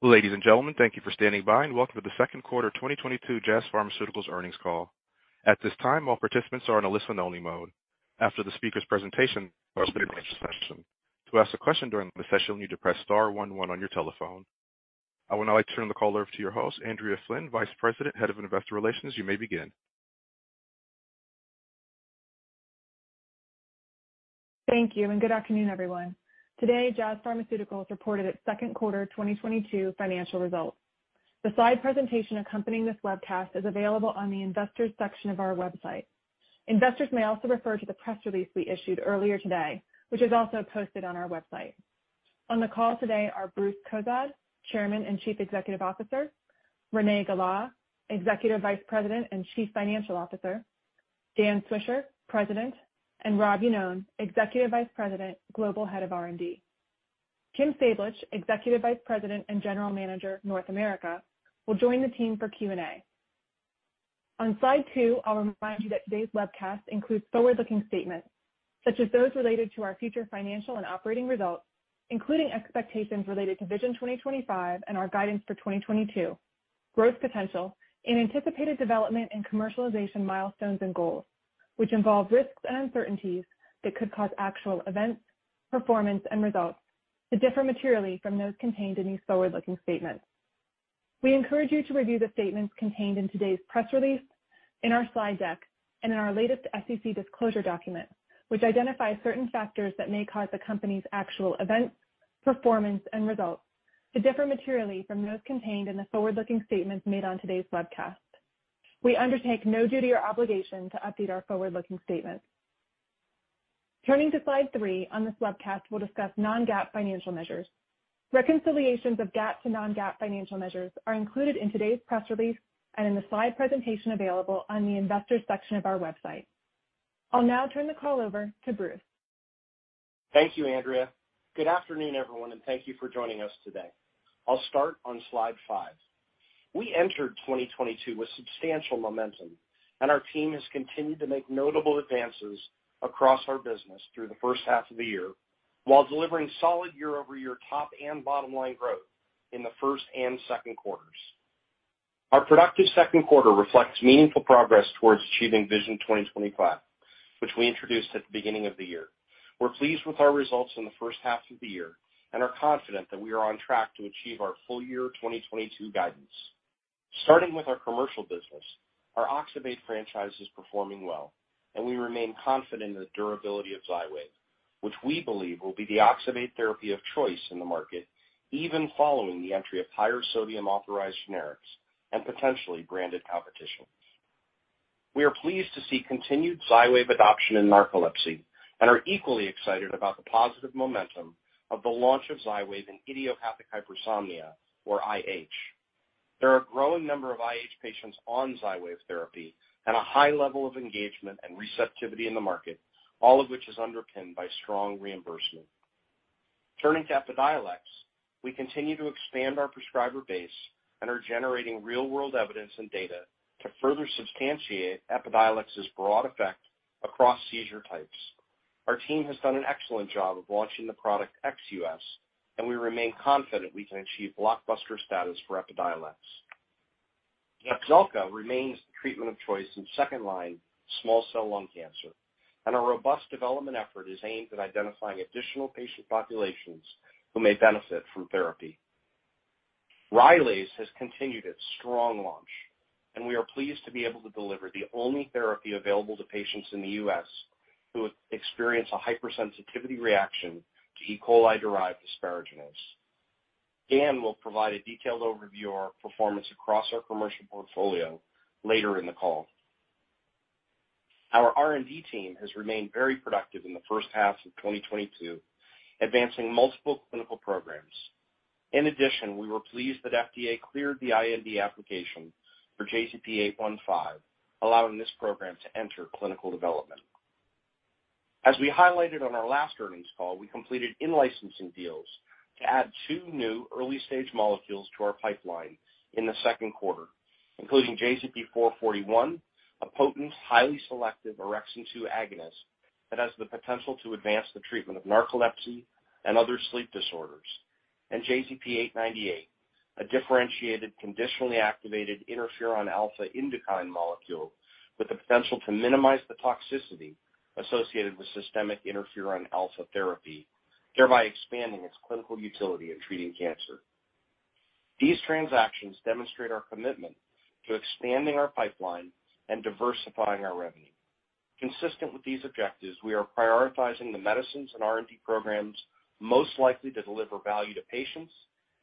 Ladies and gentlemen, thank you for standing by and welcome to the Second Quarter 2022 Jazz Pharmaceuticals Earnings Call. At this time, all participants are in a listen-only mode. After the speaker's presentation, there will be a question session. To ask a question during the session, you need to press star one one on your telephone. I would now like to turn the call over to your host, Andrea Flynn, Vice President, Head of Investor Relations. You may begin. Thank you and good afternoon, everyone. Today, Jazz Pharmaceuticals reported its second quarter 2022 financial results. The slide presentation accompanying this webcast is available on the investors section of our website. Investors may also refer to the press release we issued earlier today, which is also posted on our website. On the call today are Bruce Cozadd, Chairman and Chief Executive Officer, Renee Gala, Executive Vice President and Chief Financial Officer, Dan Swisher, President, and Rob Iannone, Executive Vice President, Global Head of R&D. Kim Sablich, Executive Vice President and General Manager, North America, will join the team for Q&A. On slide two, I'll remind you that today's webcast includes forward-looking statements, such as those related to our future financial and operating results, including expectations related to Vision 2025 and our guidance for 2022, growth potential in anticipated development and commercialization milestones and goals, which involve risks and uncertainties that could cause actual events, performance and results to differ materially from those contained in these forward-looking statements. We encourage you to review the statements contained in today's press release, in our slide deck, and in our latest SEC disclosure document, which identifies certain factors that may cause the company's actual events, performance and results to differ materially from those contained in the forward-looking statements made on today's webcast. We undertake no duty or obligation to update our forward-looking statements. Turning to slide three, on this webcast, we'll discuss non-GAAP financial measures. Reconciliations of GAAP to non-GAAP financial measures are included in today's press release and in the slide presentation available on the investors section of our website. I'll now turn the call over to Bruce. Thank you, Andrea. Good afternoon, everyone, and thank you for joining us today. I'll start on slide five. We entered 2022 with substantial momentum, and our team has continued to make notable advances across our business through the first half of the year while delivering solid year-over-year top and bottom line growth in the first and second quarters. Our productive second quarter reflects meaningful progress towards achieving Vision 2025, which we introduced at the beginning of the year. We're pleased with our results in the first half of the year and are confident that we are on track to achieve our full-year 2022 guidance. Starting with our commercial business, our oxybate franchise is performing well, and we remain confident in the durability of Xywav, which we believe will be the oxybate therapy of choice in the market even following the entry of higher sodium authorized generics and potentially branded competition. We are pleased to see continued Xywav adoption in narcolepsy and are equally excited about the positive momentum of the launch of Xywav in idiopathic hypersomnia or IH. There are a growing number of IH patients on Xywav therapy and a high level of engagement and receptivity in the market, all of which is underpinned by strong reimbursement. Turning to Epidiolex, we continue to expand our prescriber base and are generating real-world evidence and data to further substantiate Epidiolex's broad effect across seizure types. Our team has done an excellent job of launching the product Ex-U.S., and we remain confident we can achieve blockbuster status for Epidiolex. Zepzelca remains the treatment of choice in second-line small cell lung cancer, and our robust development effort is aimed at identifying additional patient populations who may benefit from therapy. Rylaze has continued its strong launch, and we are pleased to be able to deliver the only therapy available to patients in the U.S. who experience a hypersensitivity reaction to E. coli-derived asparaginase. Dan will provide a detailed overview of our performance across our commercial portfolio later in the call. Our R&D team has remained very productive in the first half of 2022, advancing multiple clinical programs. In addition, we were pleased that FDA cleared the IND application for JZP815, allowing this program to enter clinical development. As we highlighted on our last earnings call, we completed in-licensing deals to add two new early stage molecules to our pipeline in the second quarter, including JZP441, a potent, highly selective orexin 2 agonist that has the potential to advance the treatment of narcolepsy and other sleep disorders. JZP898, a differentiated, conditionally activated interferon alpha INDUKINE molecule with the potential to minimize the toxicity associated with systemic interferon alpha therapy, thereby expanding its clinical utility in treating cancer. These transactions demonstrate our commitment to expanding our pipeline and diversifying our revenue. Consistent with these objectives, we are prioritizing the medicines and R&D programs most likely to deliver value to patients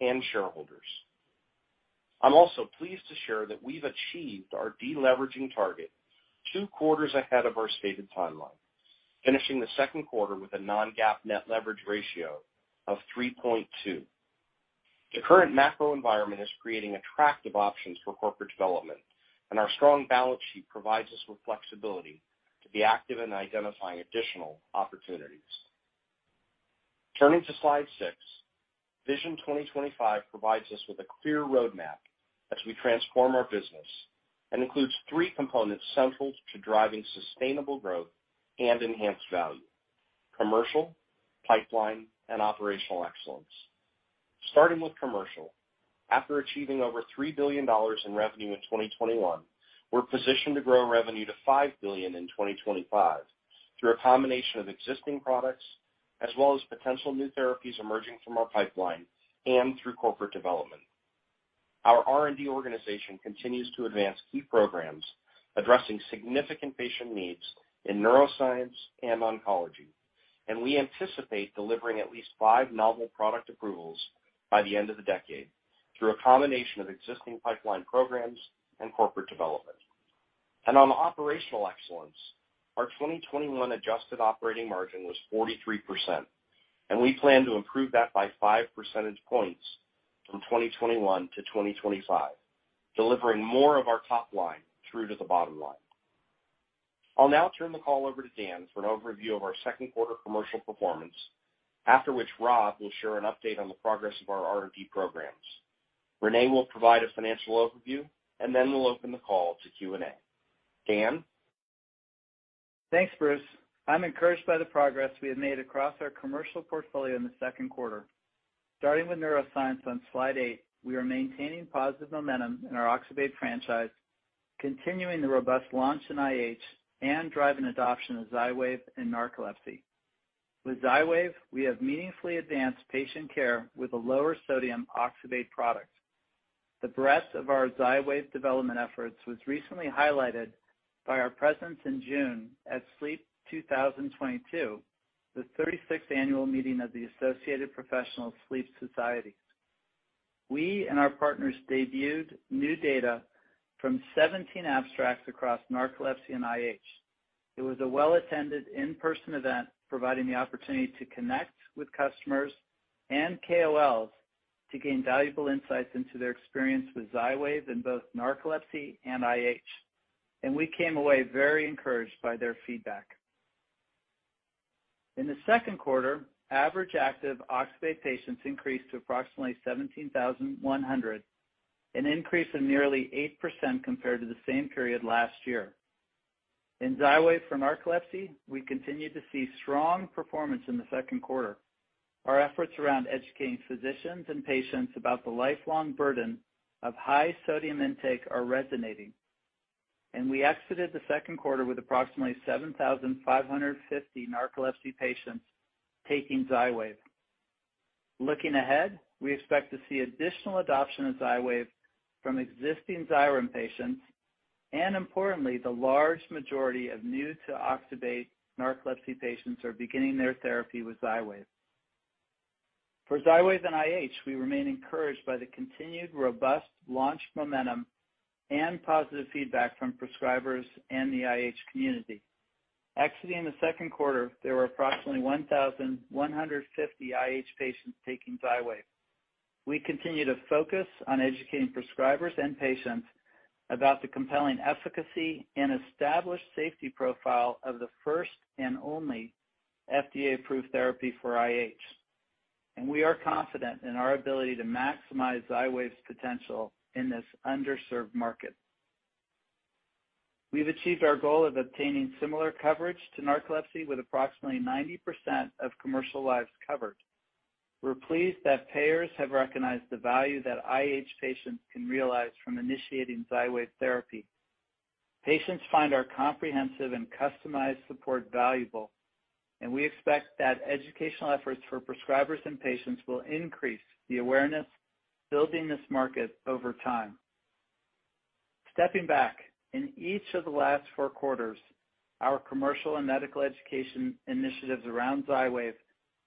and shareholders. I'm also pleased to share that we've achieved our deleveraging target two quarters ahead of our stated timeline, finishing the second quarter with a non-GAAP net leverage ratio of 3.2. The current macro environment is creating attractive options for corporate development, and our strong balance sheet provides us with flexibility to be active in identifying additional opportunities. Turning to slide six, Vision 2025 provides us with a clear roadmap as we transform our business and includes three components central to driving sustainable growth and enhanced value. Commercial, pipeline, and operational excellence. Starting with commercial, after achieving over $3 billion in 2021, we're positioned to grow revenue to $5 billion in 2025 through a combination of existing products as well as potential new therapies emerging from our pipeline and through corporate development. Our R&D organization continues to advance key programs addressing significant patient needs in neuroscience and oncology, and we anticipate delivering at least five novel product approvals by the end of the decade through a combination of existing pipeline programs and corporate development. On operational excellence, our 2021 adjusted operating margin was 43%, and we plan to improve that by five percentage points from 2021 to 2025, delivering more of our top line through to the bottom line. I'll now turn the call over to Dan for an overview of our second quarter commercial performance. After which Rob will share an update on the progress of our R&D programs. Renee will provide a financial overview, and then we'll open the call to Q&A. Dan? Thanks, Bruce. I'm encouraged by the progress we have made across our commercial portfolio in the second quarter. Starting with neuroscience on slide 8, we are maintaining positive momentum in our oxybate franchise, continuing the robust launch in IH and driving adoption of Xywav in narcolepsy. With Xywav, we have meaningfully advanced patient care with a lower sodium oxybate product. The breadth of our Xywav development efforts was recently highlighted by our presence in June at SLEEP 2022, the thirty-sixth annual meeting of the Associated Professional Sleep Societies. We and our partners debuted new data from 17 abstracts across narcolepsy and IH. It was a well-attended in-person event, providing the opportunity to connect with customers and KOLs to gain valuable insights into their experience with Xywav in both narcolepsy and IH. We came away very encouraged by their feedback. In the second quarter, average active oxybate patients increased to approximately 17,100, an increase of nearly 8% compared to the same period last year. In Xywav for narcolepsy, we continued to see strong performance in the second quarter. Our efforts around educating physicians and patients about the lifelong burden of high sodium intake are resonating, and we exited the second quarter with approximately 7,550 narcolepsy patients taking Xywav. Looking ahead, we expect to see additional adoption of Xywav from existing Xyrem patients, and importantly, the large majority of new-to-oxybate narcolepsy patients are beginning their therapy with Xywav. For Xywav and IH, we remain encouraged by the continued robust launch momentum and positive feedback from prescribers and the IH community. Exiting the second quarter, there were approximately 1,150 IH patients taking Xywav. We continue to focus on educating prescribers and patients about the compelling efficacy and established safety profile of the first and only FDA-approved therapy for IH, and we are confident in our ability to maximize Xywav's potential in this underserved market. We've achieved our goal of obtaining similar coverage to narcolepsy with approximately 90% of commercial lives covered. We're pleased that payers have recognized the value that IH patients can realize from initiating Xywav therapy. Patients find our comprehensive and customized support valuable, and we expect that educational efforts for prescribers and patients will increase the awareness, building this market over time. Stepping back, in each of the last four quarters, our commercial and medical education initiatives around Xywav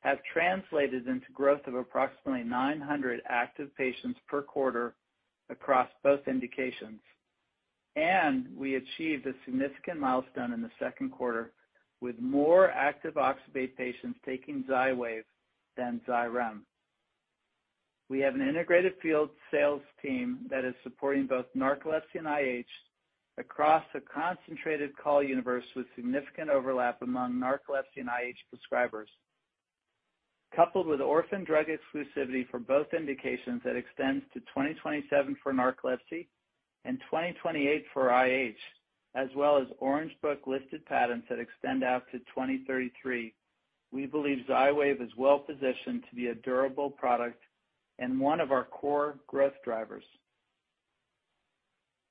have translated into growth of approximately 900 active patients per quarter across both indications. We achieved a significant milestone in the second quarter with more active oxybate patients taking Xywav than Xyrem. We have an integrated field sales team that is supporting both narcolepsy and IH across a concentrated call universe with significant overlap among narcolepsy and IH prescribers. Coupled with orphan drug exclusivity for both indications that extends to 2027 for narcolepsy and 2028 for IH, as well as Orange Book listed patents that extend out to 2033, we believe Xywav is well-positioned to be a durable product and one of our core growth drivers.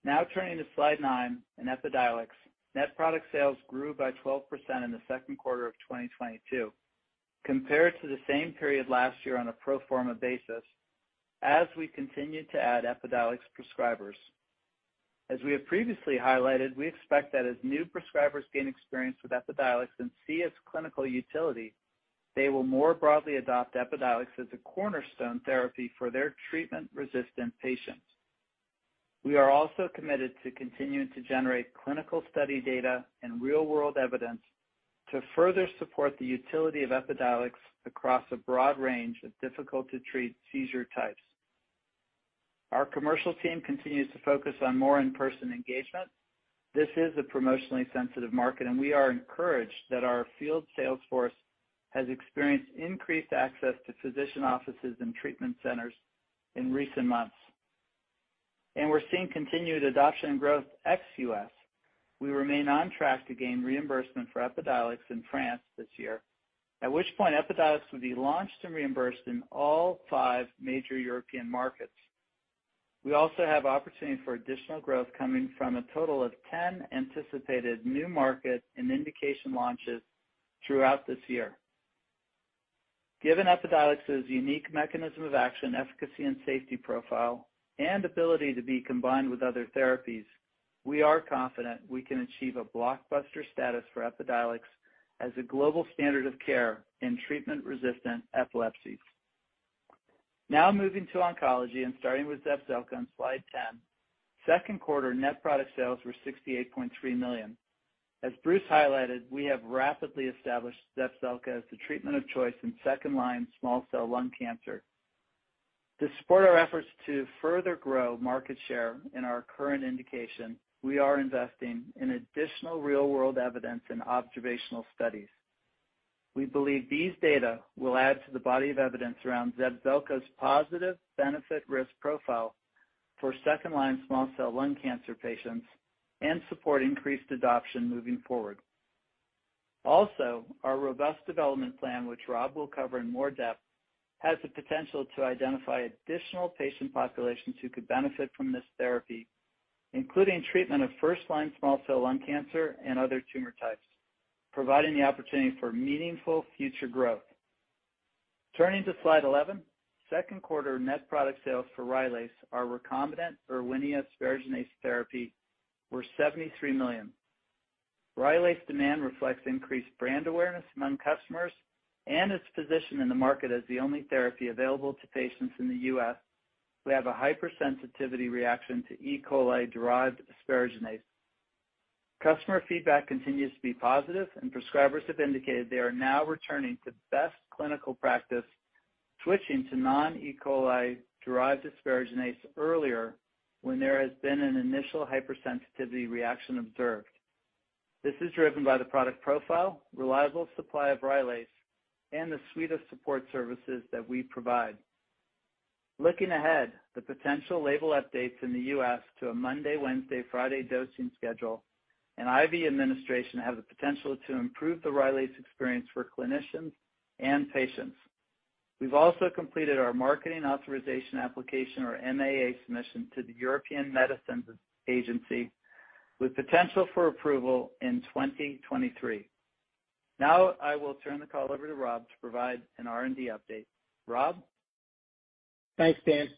Now turning to slide nine in Epidiolex. Net product sales grew by 12% in the second quarter of 2022 compared to the same period last year on a pro forma basis as we continued to add Epidiolex prescribers. As we have previously highlighted, we expect that as new prescribers gain experience with Epidiolex and see its clinical utility, they will more broadly adopt Epidiolex as a cornerstone therapy for their treatment-resistant patients. We are also committed to continuing to generate clinical study data and real-world evidence to further support the utility of Epidiolex across a broad range of difficult-to-treat seizure types. Our commercial team continues to focus on more in-person engagement. This is a promotionally sensitive market, and we are encouraged that our field sales force has experienced increased access to physician offices and treatment centers in recent months. We're seeing continued adoption and growth Ex-U.S.. We remain on track to gain reimbursement for Epidiolex in France this year. At which point, Epidiolex will be launched and reimbursed in all five major European markets. We also have opportunity for additional growth coming from a total of 10 anticipated new market and indication launches throughout this year. Given Epidiolex's unique mechanism of action, efficacy, and safety profile, and ability to be combined with other therapies, we are confident we can achieve a blockbuster status for Epidiolex as a global standard of care in treatment-resistant epilepsies. Now moving to oncology and starting with Zepzelca on slide 10. Second quarter net product sales were $68.3 million. As Bruce highlighted, we have rapidly established Zepzelca as the treatment of choice in second-line small cell lung cancer. To support our efforts to further grow market share in our current indication, we are investing in additional real-world evidence and observational studies. We believe these data will add to the body of evidence around Zepzelca's positive benefit risk profile for second-line small cell lung cancer patients and support increased adoption moving forward. Also, our robust development plan, which Rob will cover in more depth, has the potential to identify additional patient populations who could benefit from this therapy, including treatment of first-line small cell lung cancer and other tumor types, providing the opportunity for meaningful future growth. Turning to slide 11. Second quarter net product sales for Rylaze, our recombinant Erwinia asparaginase therapy, were $73 million. Rylaze demand reflects increased brand awareness among customers and its position in the market as the only therapy available to patients in the U.S. who have a hypersensitivity reaction to E. coli-derived asparaginase. Customer feedback continues to be positive, and prescribers have indicated they are now returning to best clinical practice, switching to non-E.coli-derived asparaginase earlier when there has been an initial hypersensitivity reaction observed. This is driven by the product profile, reliable supply of Rylaze, and the suite of support services that we provide. Looking ahead, the potential label updates in the U.S. to a Monday, Wednesday, Friday dosing schedule and IV administration have the potential to improve the Rylaze experience for clinicians and patients. We've also completed our marketing authorization application, or MAA submission, to the European Medicines Agency with potential for approval in 2023. Now I will turn the call over to Rob to provide an R&D update. Rob? Thanks, Dan.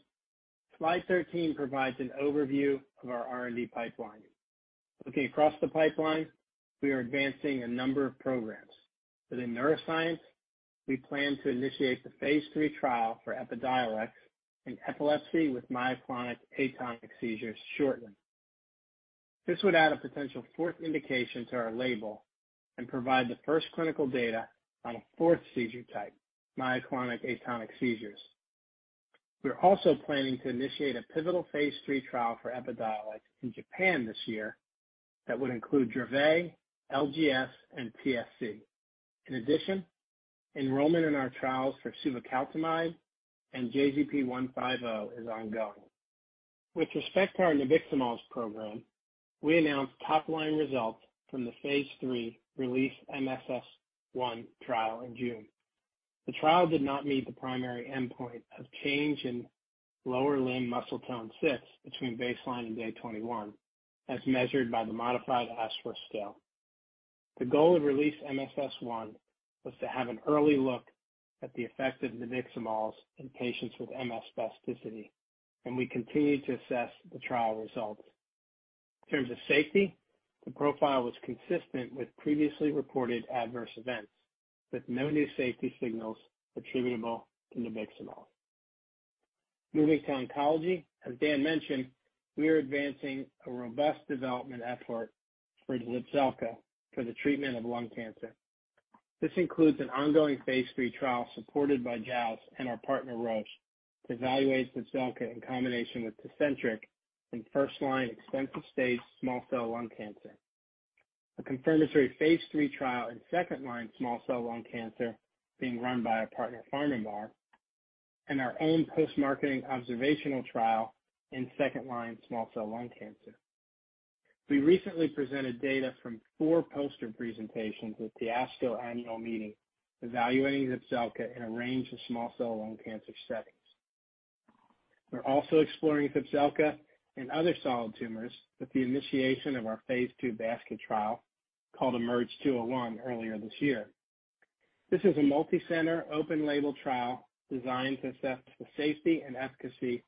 Slide 13 provides an overview of our R&D pipeline. Looking across the pipeline, we are advancing a number of programs. Within neuroscience, we plan to initiate the phase III trial for Epidiolex in epilepsy with myoclonic-atonic seizures shortly. This would add a potential fourth indication to our label and provide the first clinical data on a fourth seizure type, myoclonic-atonic seizures. We're also planning to initiate a pivotal phase III trial for Epidiolex in Japan this year that would include Dravet, LGS, and TSC. In addition, enrollment in our trials for suvecaltamide and JZP150 is ongoing. With respect to our nabiximols program, we announced top-line results from the phase III RELEASE-MSS1 trial in June. The trial did not meet the primary endpoint of change in lower limb muscle tone, spasticity, between baseline and day 21, as measured by the modified Ashworth scale. The goal of RELEASE MSS1 was to have an early look at the effect of nabiximols in patients with MS spasticity, and we continue to assess the trial results. In terms of safety, the profile was consistent with previously reported adverse events, with no new safety signals attributable to nabiximols. Moving to oncology. As Dan mentioned, we are advancing a robust development effort for Zepzelca for the treatment of lung cancer. This includes an ongoing phase III trial supported by Jazz and our partner, Roche, to evaluate Zepzelca in combination with Tecentriq in first-line extensive-stage small cell lung cancer. A confirmatory phase III trial in second-line small cell lung cancer being run by our partner, PharmaMar, and our own post-marketing observational trial in second-line small cell lung cancer. We recently presented data from four poster presentations at the ASCO annual meeting evaluating Zepzelca in a range of small cell lung cancer settings. We're also exploring Zepzelca in other solid tumors with the initiation of our phase II basket trial called EMERGE-201 earlier this year. This is a multicenter open label trial designed to assess the safety and efficacy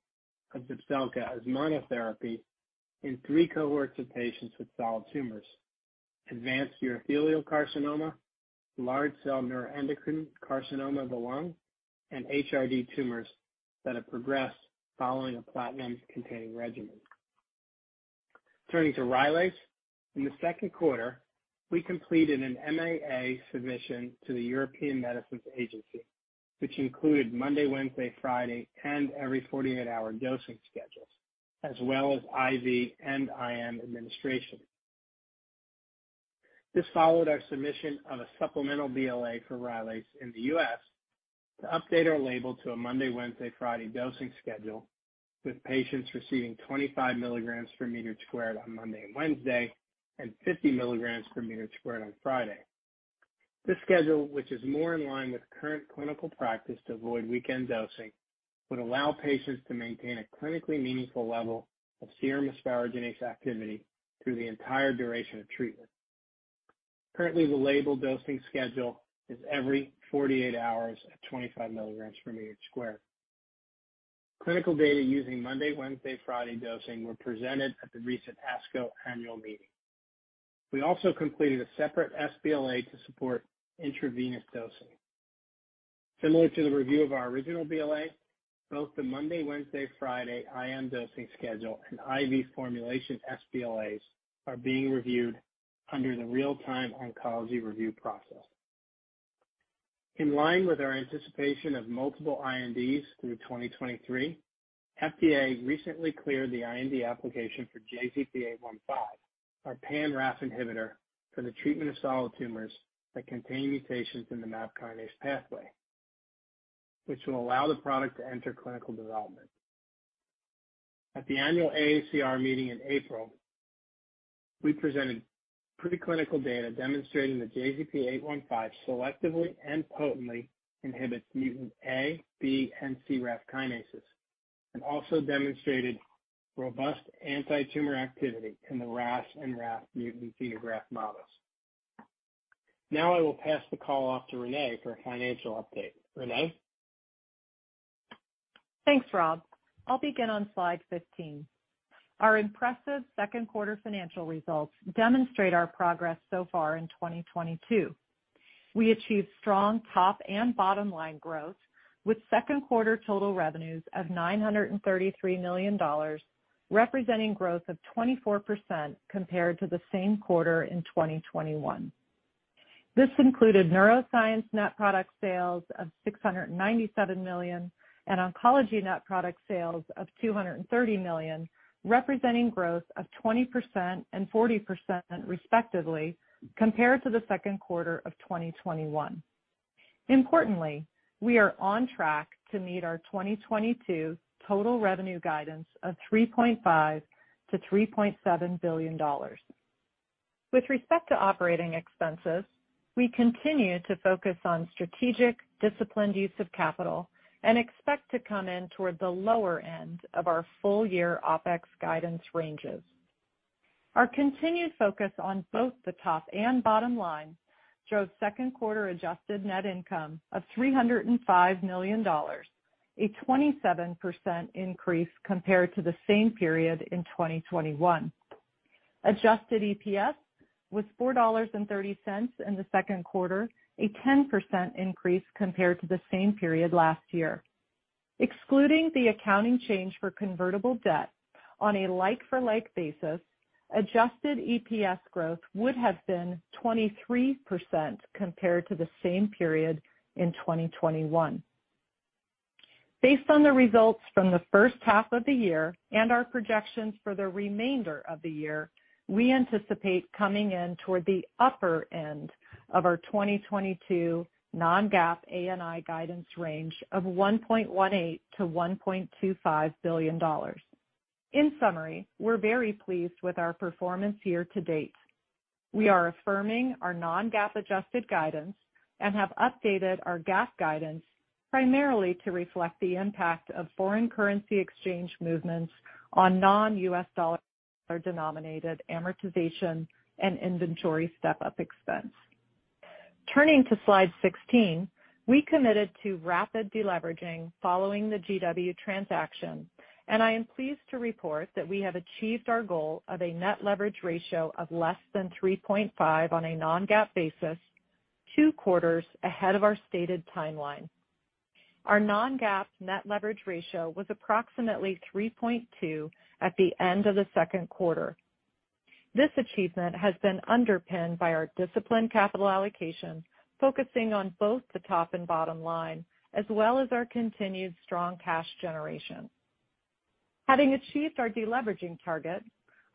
of Zepzelca as monotherapy in three cohorts of patients with solid tumors: advanced urothelial carcinoma, large cell neuroendocrine carcinoma of the lung, and HRD tumors that have progressed following a platinum-containing regimen. Turning to Rylaze. In the second quarter, we completed an MAA submission to the European Medicines Agency, which included Monday, Wednesday, Friday and every 48-hour dosing schedules, as well as IV and IM administration. This followed our submission of a supplemental BLA for Rylaze in the U.S. to update our label to a Monday, Wednesday, Friday dosing schedule, with patients receiving 25 milligrams per meter squared on Monday and Wednesday and 50 milligrams per meter squared on Friday. This schedule, which is more in line with current clinical practice to avoid weekend dosing, would allow patients to maintain a clinically meaningful level of serum asparaginase activity through the entire duration of treatment. Currently, the label dosing schedule is every 48 hours at 25 milligrams per meter squared. Clinical data using Monday, Wednesday, Friday dosing were presented at the recent ASCO annual meeting. We also completed a separate sBLA to support intravenous dosing. Similar to the review of our original BLA, both the Monday, Wednesday, Friday IM dosing schedule and IV formulation sBLAs are being reviewed under the Real-Time Oncology Review process. In line with our anticipation of multiple INDs through 2023, FDA recently cleared the IND application for JZP815, our pan-RAF inhibitor for the treatment of solid tumors that contain mutations in the MAP kinase pathway, which will allow the product to enter clinical development. At the annual AACR meeting in April, we presented preclinical data demonstrating that JZP815 selectively and potently inhibits mutant A, B, and C RAF kinases and also demonstrated robust antitumor activity in the RAS and RAF mutant xenograft models. Now I will pass the call off to Renee for a financial update. Renee? Thanks, Rob. I'll begin on slide 15. Our impressive second-quarter financial results demonstrate our progress so far in 2022. We achieved strong top and bottom-line growth, with second-quarter total revenues of $933 million, representing growth of 24% compared to the same quarter in 2021. This included neuroscience net product sales of $697 million and oncology net product sales of $230 million, representing growth of 20% and 40%, respectively, compared to the second quarter of 2021. Importantly, we are on track to meet our 2022 total revenue guidance of $3.5 billion-$3.7 billion. With respect to operating expenses, we continue to focus on strategic, disciplined use of capital and expect to come in toward the lower end of our full-year OpEx guidance ranges. Our continued focus on both the top and bottom line drove second-quarter adjusted net income of $305 million, a 27% increase compared to the same period in 2021. Adjusted EPS was $4.30 in the second quarter, a 10% increase compared to the same period last year. Excluding the accounting change for convertible debt on a like-for-like basis, adjusted EPS growth would have been 23% compared to the same period in 2021. Based on the results from the first half of the year and our projections for the remainder of the year, we anticipate coming in toward the upper end of our 2022 non-GAAP ANI guidance range of $1.18 billion-$1.25 billion. In summary, we're very pleased with our performance year to date. We are affirming our non-GAAP adjusted guidance and have updated our GAAP guidance primarily to reflect the impact of foreign currency exchange movements on non-U.S. dollar-denominated amortization and inventory step-up expense. Turning to slide 16, we committed to rapid deleveraging following the GW transaction, and I am pleased to report that we have achieved our goal of a net leverage ratio of less than 3.5 on a non-GAAP basis, two quarters ahead of our stated timeline. Our non-GAAP net leverage ratio was approximately 3.2 at the end of the second quarter. This achievement has been underpinned by our disciplined capital allocation, focusing on both the top and bottom line, as well as our continued strong cash generation. Having achieved our deleveraging target,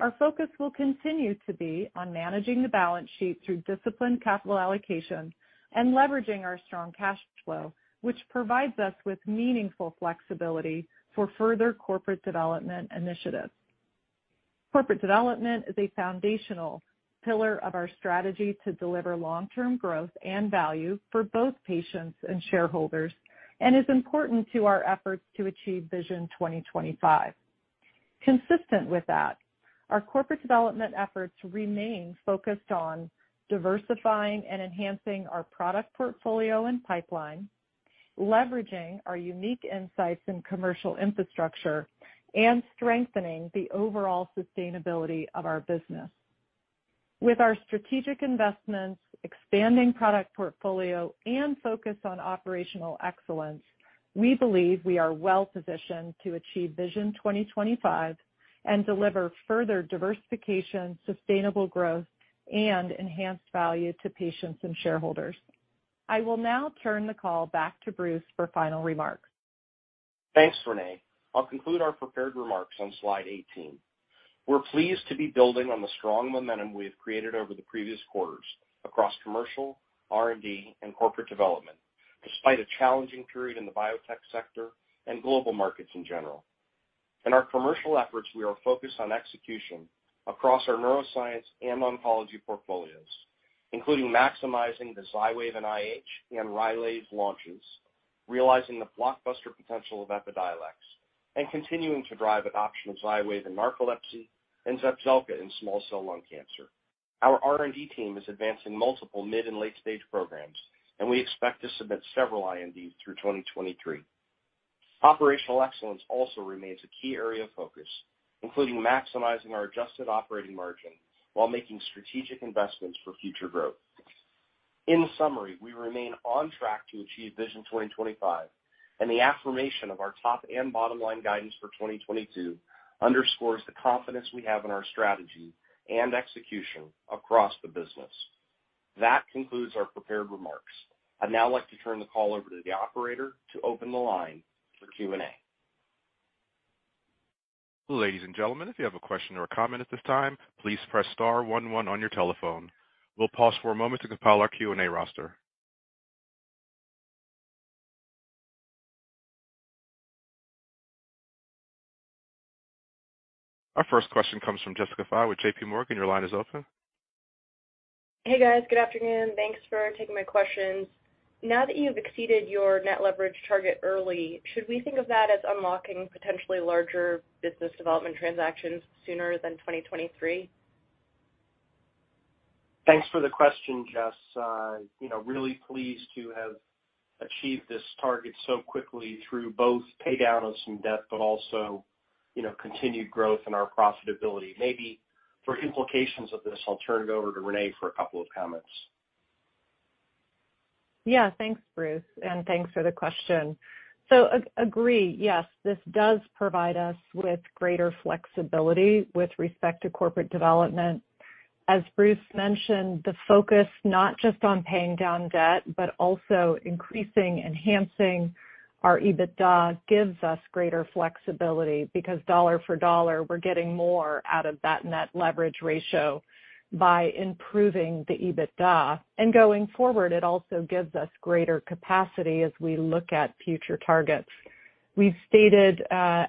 our focus will continue to be on managing the balance sheet through disciplined capital allocation and leveraging our strong cash flow, which provides us with meaningful flexibility for further corporate development initiatives. Corporate development is a foundational pillar of our strategy to deliver long-term growth and value for both patients and shareholders and is important to our efforts to achieve Vision 2025. Consistent with that, our corporate development efforts remain focused on diversifying and enhancing our product portfolio and pipeline, leveraging our unique insights and commercial infrastructure, and strengthening the overall sustainability of our business. With our strategic investments, expanding product portfolio, and focus on operational excellence, we believe we are well-positioned to achieve Vision 2025 and deliver further diversification, sustainable growth, and enhanced value to patients and shareholders. I will now turn the call back to Bruce for final remarks. Thanks, Renee. I'll conclude our prepared remarks on slide 18. We're pleased to be building on the strong momentum we have created over the previous quarters across commercial, R&D, and corporate development, despite a challenging period in the biotech sector and global markets in general. In our commercial efforts, we are focused on execution across our neuroscience and oncology portfolios, including maximizing the Xywav and IH and Rylaze launches, realizing the blockbuster potential of Epidiolex, and continuing to drive adoption of Xywav in narcolepsy and Zepzelca in small-cell lung cancer. Our R&D team is advancing multiple mid- and late-stage programs, and we expect to submit several INDs through 2023. Operational excellence also remains a key area of focus, including maximizing our adjusted operating margin while making strategic investments for future growth. In summary, we remain on track to achieve Vision 2025, and the affirmation of our top and bottom-line guidance for 2022 underscores the confidence we have in our strategy and execution across the business. That concludes our prepared remarks. I'd now like to turn the call over to the operator to open the line for Q&A. Ladies and gentlemen, if you have a question or a comment at this time, please press star one one on your telephone. We'll pause for a moment to compile our Q&A roster. Our first question comes from Jessica Fye with JPMorgan. Your line is open. Hey, guys. Good afternoon. Thanks for taking my questions. Now that you have exceeded your net leverage target early, should we think of that as unlocking potentially larger business development transactions sooner than 2023? Thanks for the question, Jess. You know, really pleased to have achieved this target so quickly through both pay down of some debt, but also, you know, continued growth in our profitability. Maybe for implications of this, I'll turn it over to Renee for a couple of comments. Yeah. Thanks, Bruce, and thanks for the question. Agree. Yes, this does provide us with greater flexibility with respect to corporate development. As Bruce mentioned, the focus not just on paying down debt, but also increasing, enhancing our EBITDA gives us greater flexibility because dollar for dollar, we're getting more out of that net leverage ratio by improving the EBITDA. Going forward, it also gives us greater capacity as we look at future targets. We've stated,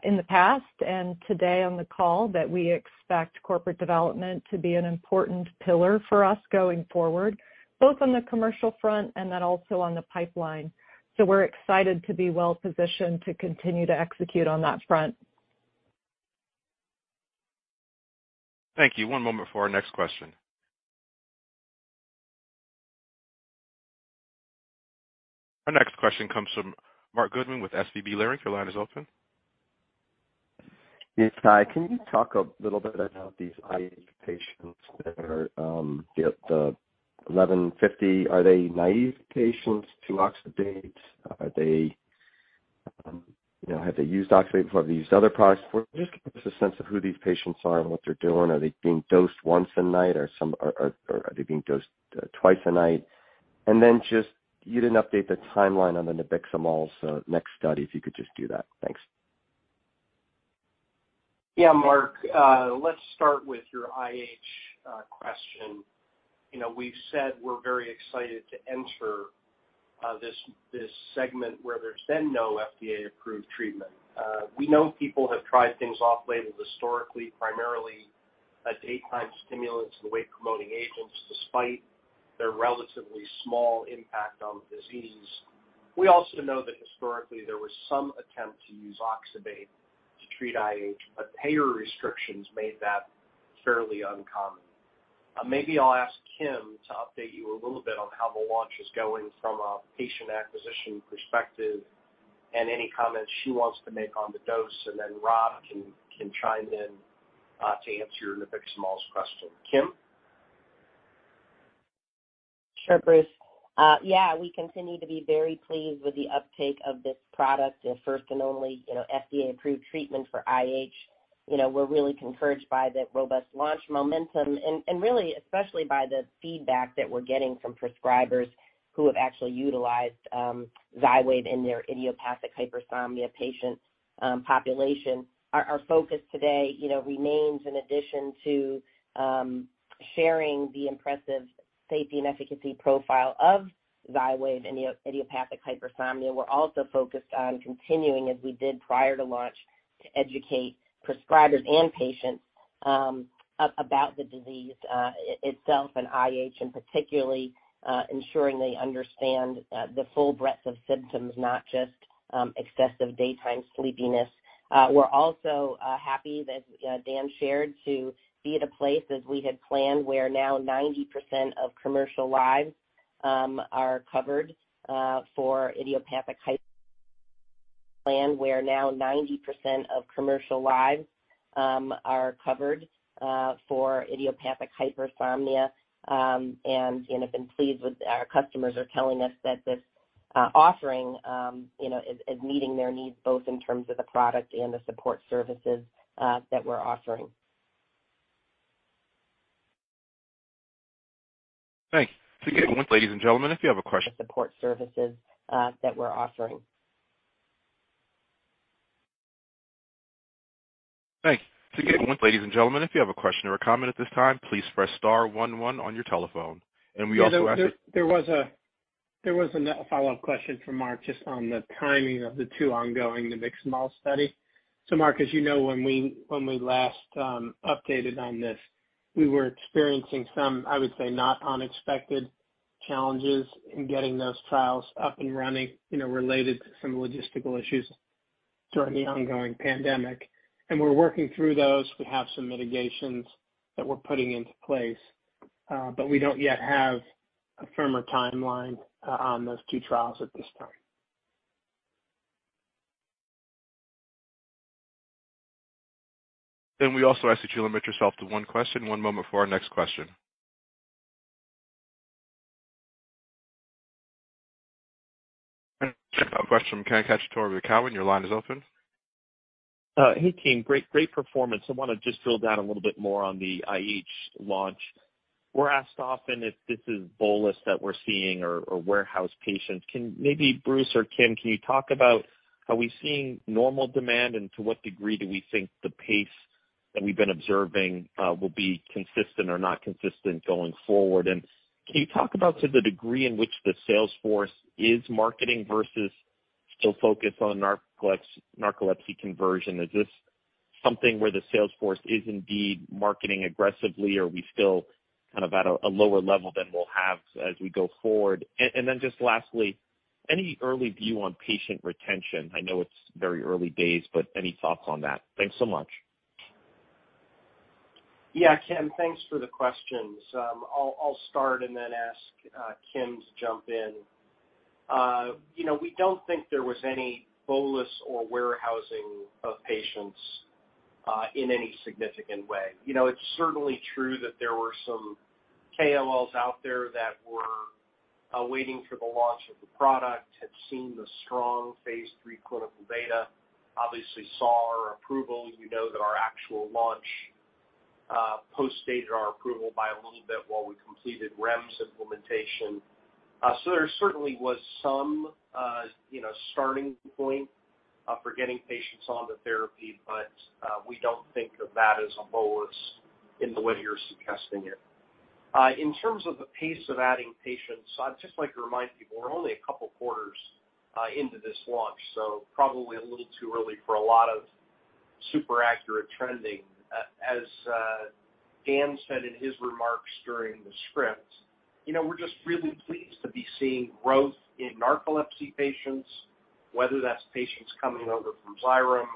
in the past and today on the call that we expect corporate development to be an important pillar for us going forward, both on the commercial front and then also on the pipeline. We're excited to be well-positioned to continue to execute on that front. Thank you. One moment for our next question. Our next question comes from Marc Goodman with SVB Leerink. Your line is open. Yes. Hi. Can you talk a little bit about these IH patients that are get the 1150? Are they naive patients to oxybate? Are they, you know, have they used oxybate before? Have they used other products before? Just give us a sense of who these patients are and what they're doing. Are they being dosed once a night, or are they being dosed twice a night? Just you didn't update the timeline on the nabiximols next study, if you could just do that. Thanks. Yeah, Marc, let's start with your IH question. You know, we've said we're very excited to enter this segment where there's been no FDA-approved treatment. We know people have tried things off-label historically, primarily daytime stimulants and wake-promoting agents, despite their relatively small impact on the disease. We also know that historically there was some attempt to use oxybate to treat IH, but payer restrictions made that fairly uncommon. Maybe I'll ask Kim to update you a little bit on how the launch is going from a patient acquisition perspective and any comments she wants to make on the dose, and then Rob can chime in to answer your nabiximols question. Kim? Sure, Bruce. Yeah, we continue to be very pleased with the uptake of this product, the first and only, you know, FDA-approved treatment for IH. You know, we're really encouraged by the robust launch momentum and really especially by the feedback that we're getting from prescribers who have actually utilized Xywav in their idiopathic hypersomnia patient population. Our focus today, you know, remains in addition to sharing the impressive safety and efficacy profile of Xywav in the idiopathic hypersomnia. We're also focused on continuing, as we did prior to launch, to educate prescribers and patients about the disease itself and IH, and particularly ensuring they understand the full breadth of symptoms, not just excessive daytime sleepiness. We're also happy, as Dan shared, to be at a place as we had planned, where now 90% of commercial lives are covered for idiopathic hypersomnia, and have been pleased with what our customers are telling us that this offering, you know, is meeting their needs both in terms of the product and the support services that we're offering. Thanks. To get going, ladies and gentlemen, if you have a question. Support services that we're offering. Thanks. To get going, ladies and gentlemen, if you have a question or a comment at this time, please press star one one on your telephone. We also ask that. There was a follow-up question from Marc just on the timing of the two ongoing, the nabiximols study. Marc, as you know, when we last updated on this, we were experiencing some, I would say, not unexpected challenges in getting those trials up and running, you know, related to some logistical issues during the ongoing pandemic. We're working through those. We have some mitigations that we're putting into place. But we don't yet have a firmer timeline on those two trials at this time. We also ask that you limit yourself to one question. One moment for our next question. Our next question came from Ken Cacciatore with Cowen. Your line is open. Hey, team. Great performance. I wanna just drill down a little bit more on the IH launch. We're asked often if this is bolus that we're seeing or warehouse patients. Can Bruce or Kim talk about are we seeing normal demand, and to what degree do we think the pace that we've been observing will be consistent or not consistent going forward? Can you talk about to the degree in which the sales force is marketing versus still focused on narcolepsy conversion? Is this something where the sales force is indeed marketing aggressively, or are we still kind of at a lower level than we'll have as we go forward? Just lastly, any early view on patient retention? I know it's very early days, but any thoughts on that? Thanks so much. Yeah, Ken Cacciatore, thanks for the questions. I'll start and then ask Kim to jump in. You know, we don't think there was any bolus or warehousing of patients in any significant way. You know, it's certainly true that there were some KOLs out there that were waiting for the launch of the product, had seen the strong phase III clinical data. Obviously saw our approval. We know that our actual launch post-dated our approval by a little bit while we completed REMS implementation. So there certainly was some you know, starting point for getting patients on the therapy, but we don't think of that as a bolus in the way you're suggesting it. In terms of the pace of adding patients, I'd just like to remind people we're only a couple quarters into this launch, so probably a little too early for a lot of super-accurate trending. As Dan said in his remarks during the script, you know, we're just really pleased to be seeing growth in narcolepsy patients, whether that's patients coming over from Xyrem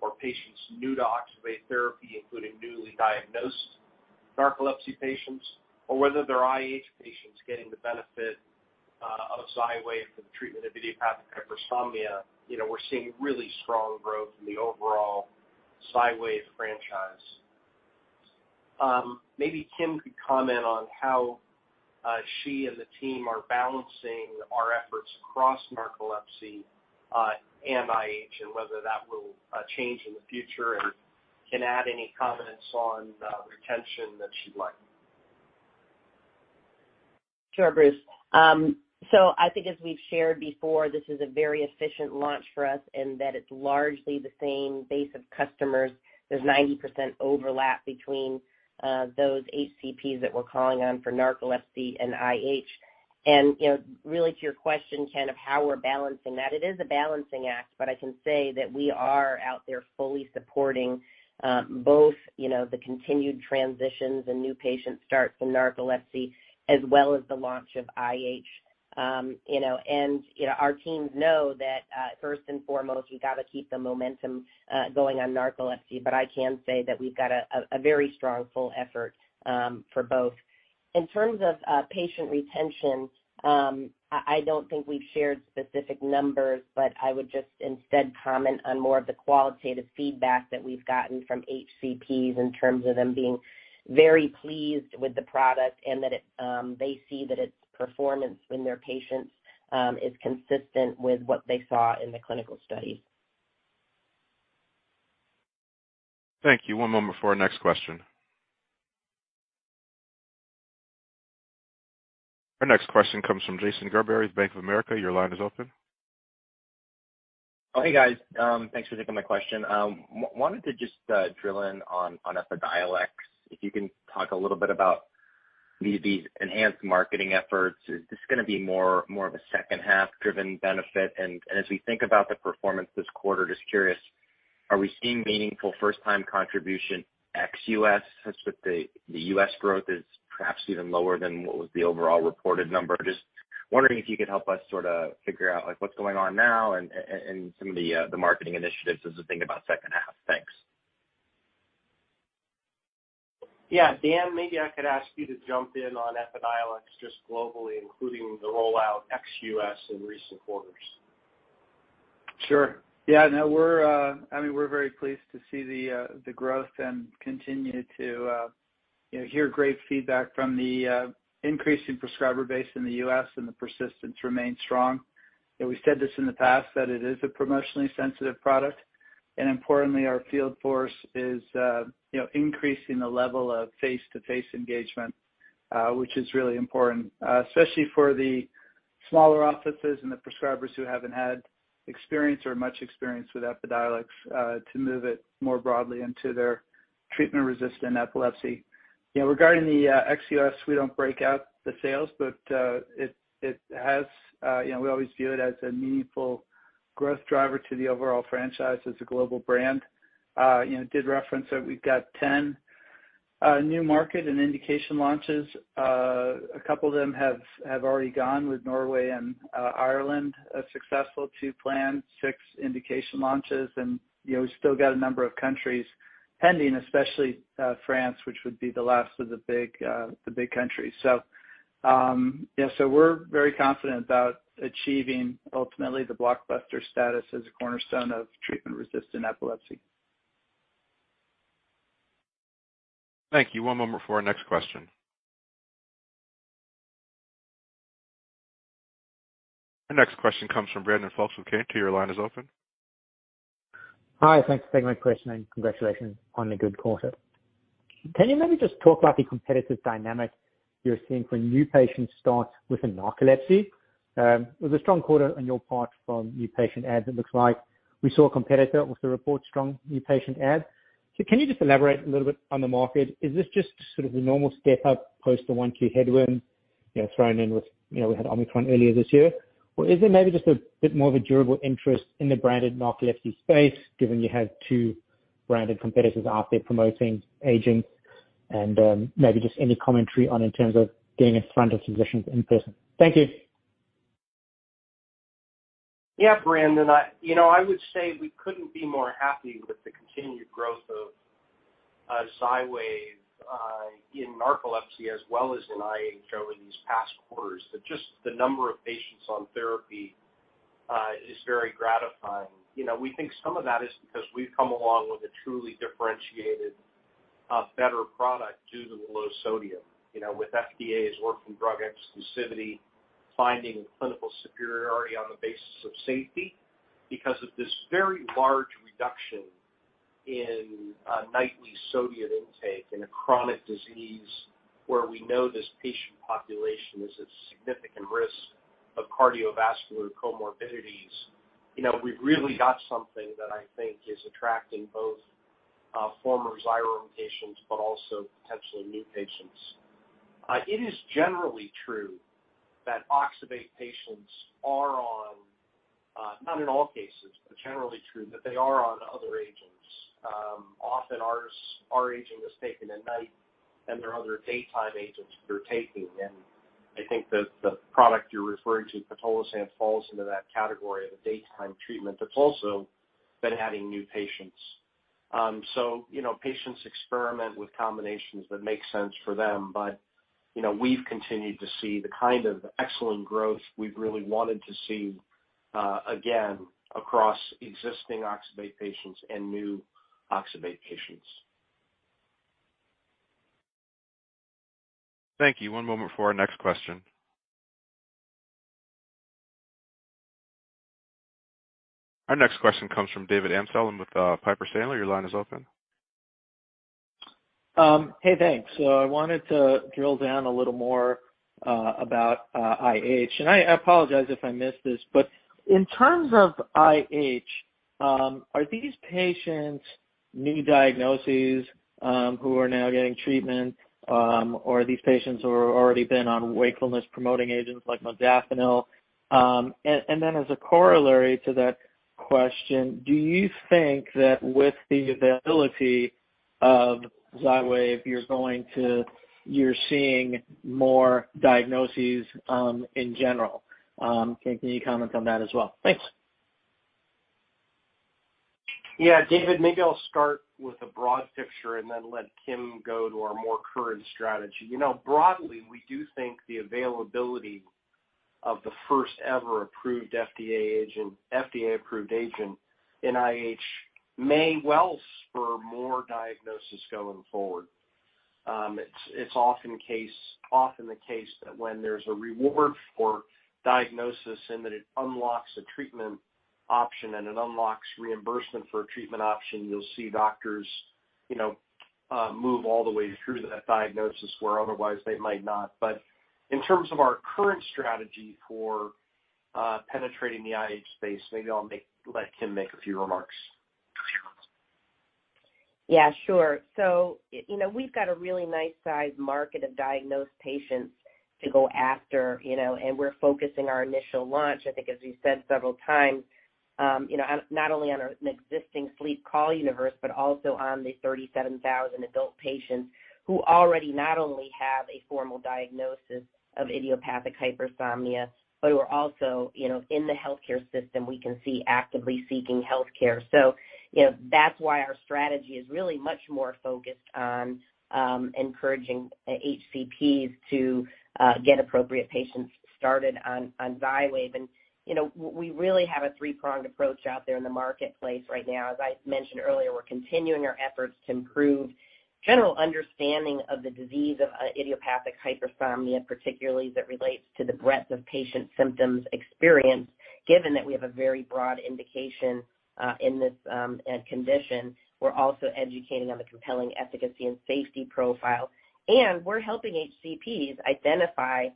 or patients new to oxybate therapy, including newly diagnosed narcolepsy patients, or whether they're IH patients getting the benefit of Xywav for the treatment of idiopathic hypersomnia. You know, we're seeing really strong growth in the overall Xywav franchise. Maybe Kim could comment on how she and the team are balancing our efforts across narcolepsy and IH and whether that will change in the future and can add any comments on retention that she'd like. Sure, Bruce. I think as we've shared before, this is a very efficient launch for us in that it's largely the same base of customers. There's 90% overlap between those HCPs that we're calling on for narcolepsy and IH. You know, really to your question, Ken, of how we're balancing that, it is a balancing act, but I can say that we are out there fully supporting both, you know, the continued transitions and new patient starts in narcolepsy as well as the launch of IH. You know, our teams know that first and foremost, you gotta keep the momentum going on narcolepsy, but I can say that we've got a very strong, full effort for both. In terms of patient retention, I don't think we've shared specific numbers, but I would just instead comment on more of the qualitative feedback that we've gotten from HCPs in terms of them being very pleased with the product and that it, they see that its performance in their patients is consistent with what they saw in the clinical studies. Thank you. One moment for our next question. Our next question comes from Jason Gerberry with Bank of America. Your line is open. Oh, hey, guys. Thanks for taking my question. Wanted to just drill in on Epidiolex. If you can talk a little bit about the enhanced marketing efforts. Is this gonna be more of a second-half-driven benefit? As we think about the performance this quarter, just curious, are we seeing meaningful first-time contribution Ex-U.S. since with the U.S. growth is perhaps even lower than what was the overall reported number? Just wondering if you could help us sorta figure out like what's going on now and some of the marketing initiatives as we think about second half. Thanks. Yeah. Dan, maybe I could ask you to jump in on Epidiolex just globally, including the rollout Ex-U.S. in recent quarters. Sure. Yeah. No, we're very pleased to see the growth and continue to you know, hear great feedback from the increasing prescriber base in the U.S., and the persistence remains strong. You know, we said this in the past that it is a promotionally sensitive product. Importantly, our field force is, you know, increasing the level of face-to-face engagement, which is really important, especially for the smaller offices and the prescribers who haven't had experience or much experience with Epidiolex, to move it more broadly into their treatment-resistant epilepsy. You know, regarding the Ex-U.S., we don't break out the sales, but it has, you know, we always view it as a meaningful growth driver to the overall franchise. It's a global brand. You know, did reference that we've got 10 new market and indication launches. A couple of them have already gone with Norway and Ireland successful. Two planned, six indication launches and, you know, we still got a number of countries pending, especially France, which would be the last of the big countries. We're very confident about achieving ultimately the blockbuster status as a cornerstone of treatment-resistant epilepsy. Thank you. One moment before our next question. Our next question comes from Brandon Folkes with Cantor. Your line is open. Hi, thanks for taking my question, and congratulations on the good quarter. Can you maybe just talk about the competitive dynamic you're seeing for new patient starts with narcolepsy? It was a strong quarter on your part from new patient adds, it looks like. We saw a competitor also report strong new patient adds. Can you just elaborate a little bit on the market? Is this just sort of a normal step up post the one-two headwind, you know, thrown in with, you know, we had Omicron earlier this year? Or is it maybe just a bit more of a durable interest in the branded narcolepsy space given you have two branded competitors out there promoting aggressively? Maybe just any commentary on in terms of getting in front of physicians in person. Thank you. Yeah, Brandon, you know, I would say we couldn't be more happy with the continued growth of Xywav in narcolepsy as well as in IH over these past quarters. Just the number of patients on therapy is very gratifying. You know, we think some of that is because we've come along with a truly differentiated better product due to the low sodium. You know, with FDA's orphan drug exclusivity, finding clinical superiority on the basis of safety because of this very large reduction in nightly sodium intake in a chronic disease where we know this patient population is at significant risk of cardiovascular comorbidities. You know, we've really got something that I think is attracting both former Xyrem patients, but also potentially new patients. It is generally true that oxybate patients are on, not in all cases, but that they are on other agents. Often our agent is taken at night, and there are other daytime agents they're taking. I think that the product you're referring to, pitolisant, falls into that category of a daytime treatment that's also been adding new patients. You know, patients experiment with combinations that make sense for them. You know, we've continued to see the kind of excellent growth we've really wanted to see, again across existing oxybate patients and new oxybate patients. Thank you. One moment for our next question. Our next question comes from David Amsellem with Piper Sandler. Your line is open. Hey, thanks. I wanted to drill down a little more about IH. I apologize if I missed this, but in terms of IH, are these patients new diagnoses who are now getting treatment, or are these patients who have already been on wakefulness-promoting agents like modafinil? And then as a corollary to that question, do you think that with the availability of Xywav, you're seeing more diagnoses in general? Can you comment on that as well? Thanks. Yeah. David, maybe I'll start with a broad picture and then let Kim go to our more current strategy. You know, broadly, we do think the availability of the first ever approved FDA-approved agent in IH may well spur more diagnosis going forward. It's often the case that when there's a reward for diagnosis and that it unlocks a treatment option and it unlocks reimbursement for a treatment option, you'll see doctors, you know, move all the way through to that diagnosis where otherwise they might not. In terms of our current strategy for penetrating the IH space, maybe I'll let Kim make a few remarks. Yeah, sure. You know, we've got a really nice sized market of diagnosed patients to go after, you know, and we're focusing our initial launch, I think, as we've said several times, you know, on not only an existing sleep care universe, but also on the 37,000 adult patients who already not only have a formal diagnosis of idiopathic hypersomnia, but who are also, you know, in the healthcare system, we can see actively seeking healthcare. You know, that's why our strategy is really much more focused on encouraging HCPs to get appropriate patients started on Xywav. You know, we really have a three-pronged approach out there in the marketplace right now. As I mentioned earlier, we're continuing our efforts to improve general understanding of the disease of idiopathic hypersomnia, particularly as it relates to the breadth of patient symptoms experienced. Given that we have a very broad indication in this condition, we're also educating on the compelling efficacy and safety profile. We're helping HCPs identify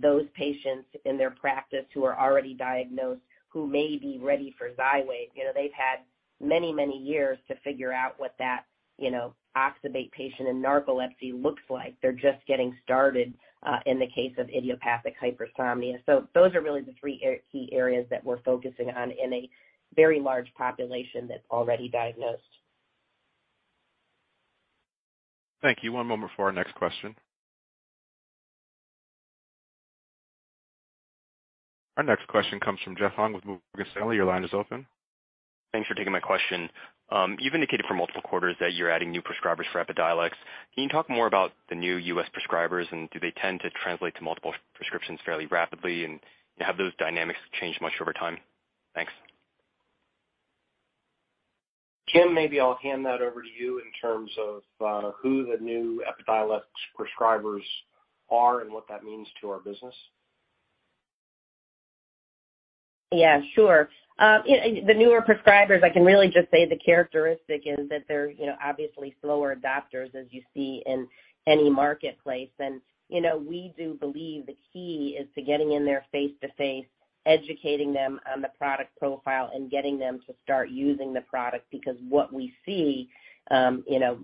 those patients in their practice who are already diagnosed who may be ready for Xywav. You know, they've had many years to figure out what that, you know, oxybate patient in narcolepsy looks like. They're just getting started in the case of idiopathic hypersomnia. Those are really the three key areas that we're focusing on in a very large population that's already diagnosed. Thank you. One moment for our next question. Our next question comes from Jeff Hung with Morgan Stanley. Your line is open. Thanks for taking my question. You've indicated for multiple quarters that you're adding new prescribers for Epidiolex. Can you talk more about the new U.S. prescribers, and do they tend to translate to multiple prescriptions fairly rapidly? Have those dynamics changed much over time? Thanks. Kim, maybe I'll hand that over to you in terms of who the new Epidiolex prescribers are and what that means to our business. Yeah, sure. You know, the newer prescribers, I can really just say the characteristic is that they're, you know, obviously slower adopters, as you see in any marketplace. You know, we do believe the key is to getting in their face-to-face, educating them on the product profile and getting them to start using the product. Because what we see, you know,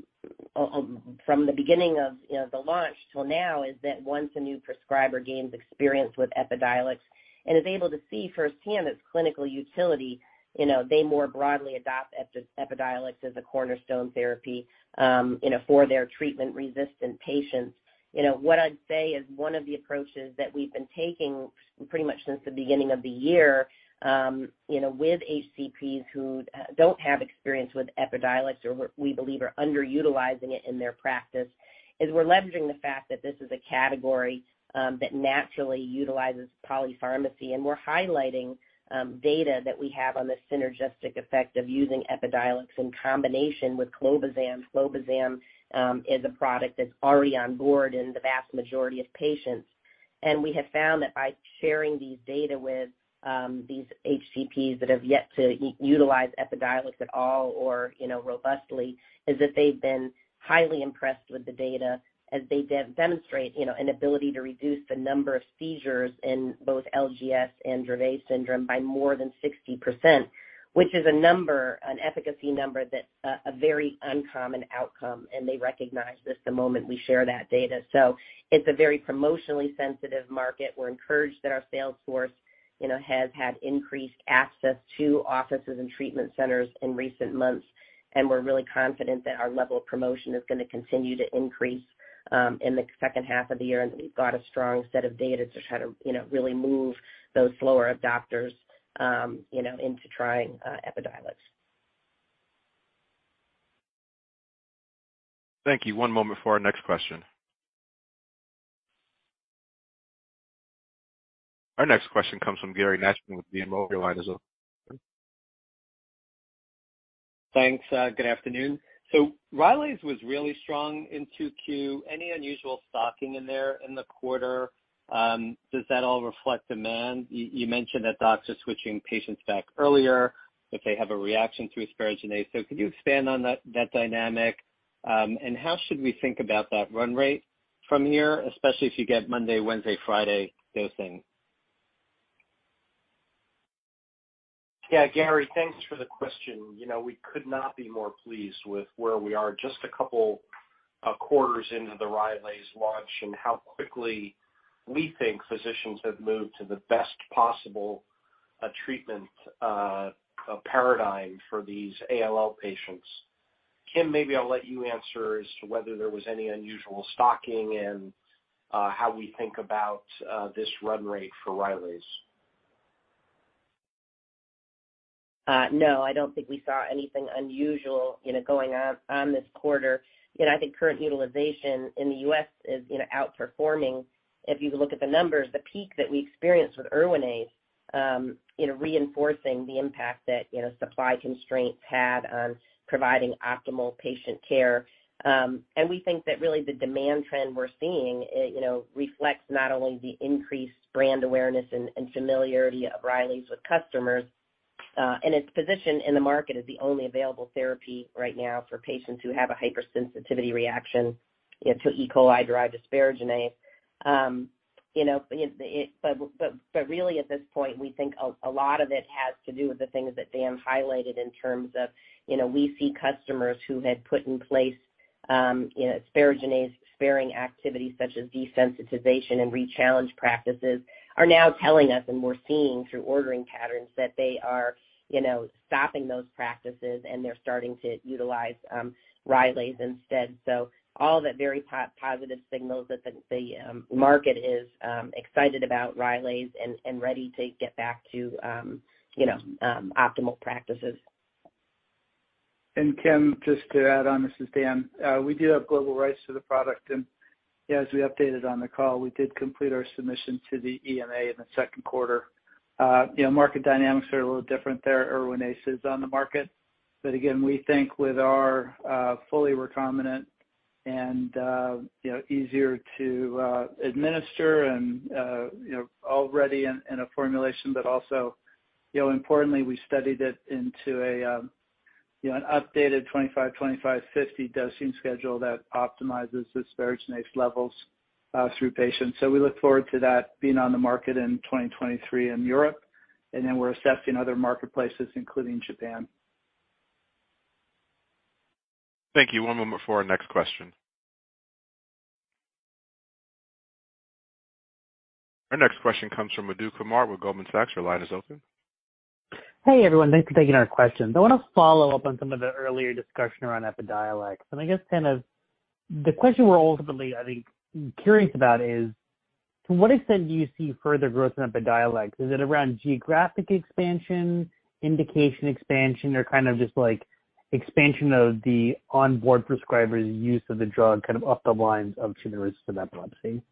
from the beginning of the launch till now, is that once a new prescriber gains experience with Epidiolex and is able to see firsthand its clinical utility, you know, they more broadly adopt Epidiolex as a cornerstone therapy, you know, for their treatment-resistant patients. You know, what I'd say is one of the approaches that we've been taking pretty much since the beginning of the year, you know, with HCPs who don't have experience with Epidiolex or we believe are underutilizing it in their practice, is we're leveraging the fact that this is a category that naturally utilizes polypharmacy. We're highlighting data that we have on the synergistic effect of using Epidiolex in combination with clobazam. Clobazam is a product that's already on board in the vast majority of patients. We have found that by sharing these data with these HCPs that have yet to utilize Epidiolex at all or, you know, robustly, is that they've been highly impressed with the data as they demonstrate, you know, an ability to reduce the number of seizures in both LGS and Dravet syndrome by more than 60%, which is a number, an efficacy number that's a very uncommon outcome, and they recognize this the moment we share that data. It's a very promotionally sensitive market. We're encouraged that our sales force, you know, has had increased access to offices and treatment centers in recent months, and we're really confident that our level of promotion is going to continue to increase in the second half of the year. We've got a strong set of data to try to, you know, really move those slower adopters, you know, into trying Epidiolex. Thank you. One moment for our next question. Our next question comes from Gary Nachman with BMO. Your line is open. Thanks, good afternoon. Rylaze was really strong in 2Q. Any unusual stocking in there in the quarter? Does that all reflect demand? You mentioned that docs are switching patients back earlier if they have a reaction to asparaginase. Could you expand on that dynamic? How should we think about that run rate from here, especially if you get Monday, Wednesday, Friday dosing? Yeah, Gary, thanks for the question. You know, we could not be more pleased with where we are just a couple quarters into the Rylaze launch and how quickly we think physicians have moved to the best possible treatment paradigm for these ALL patients. Kim, maybe I'll let you answer as to whether there was any unusual stocking and how we think about this run rate for Rylaze. No, I don't think we saw anything unusual, you know, going on in this quarter. You know, I think current utilization in the U.S. is, you know, outperforming, if you look at the numbers, the peak that we experienced with Erwinaze, you know, reinforcing the impact that, you know, supply constraints had on providing optimal patient care. We think that really the demand trend we're seeing, you know, reflects not only the increased brand awareness and familiarity of Rylaze with customers, and its position in the market as the only available therapy right now for patients who have a hypersensitivity reaction, you know, to E. coli-derived asparaginase. You know, but really at this point, we think a lot of it has to do with the things that Dan highlighted in terms of, you know, we see customers who had put in place, you know, asparaginase-sparing activities such as desensitization and rechallenge practices are now telling us and we're seeing through ordering patterns that they are, you know, stopping those practices, and they're starting to utilize Rylaze instead. All that very positive signals that the market is excited about Rylaze and ready to get back to, you know, optimal practices. Kim, just to add on, this is Dan. We do have global rights to the product. As we updated on the call, we did complete our submission to the EMA in the second quarter. You know, market dynamics are a little different there. Erwinaze is on the market. But again, we think with our fully recombinant, you know, easier to administer and, you know, already in a formulation, but also, you know, importantly, we studied it in a, you know, an updated 25/25/50 dosing schedule that optimizes the asparaginase levels in patients. We look forward to that being on the market in 2023 in Europe, and then we're assessing other marketplaces, including Japan. Thank you. One moment before our next question. Our next question comes from Madhu Kumar with Goldman Sachs. Your line is open. Hey, everyone. Thanks for taking our questions. I wanna follow up on some of the earlier discussion around Epidiolex. I guess kind of the question we're ultimately, I think, curious about is, to what extent do you see further growth in Epidiolex? Is it around geographic expansion, indication expansion, or kind of just like expansion of the onboard prescribers' use of the drug kind of along the lines of [epilepsy]?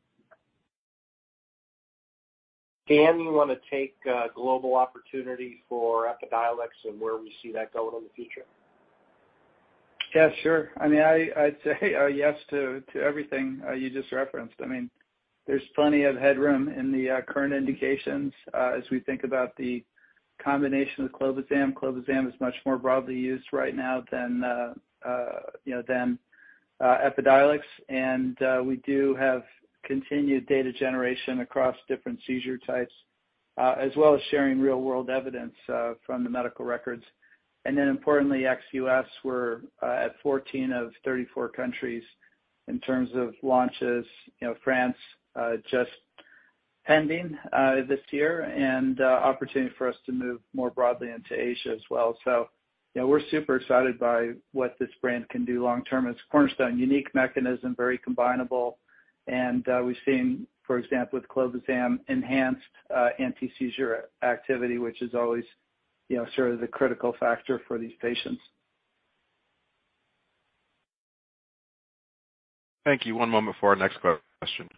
Dan, you wanna take global opportunity for Epidiolex and where we see that going in the future? Yeah, sure. I mean, I'd say yes to everything you just referenced. I mean, there's plenty of headroom in the current indications as we think about the combination with clobazam. Clobazam is much more broadly used right now than you know than Epidiolex. We do have continued data generation across different seizure types as well as sharing real-world evidence from the medical records. Then importantly, Ex-U.S., we're at 14 of 34 countries in terms of launches. You know, France just pending this year and opportunity for us to move more broadly into Asia as well. You know, we're super excited by what this brand can do long term. It's cornerstone unique mechanism, very combinable. We've seen, for example, with clobazam enhanced anti-seizure activity, which is always, you know, sort of the critical factor for these patients. Thank you. One moment before our next question.